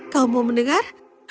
kau mau mendengar